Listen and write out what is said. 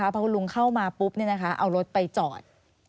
พอคุณลุงเข้ามาปุ๊บเอารถไปจอด